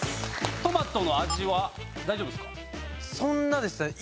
トマトの味は大丈夫ですか？